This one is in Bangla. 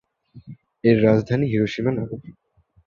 এর রাজধানী হিরোশিমা নগর।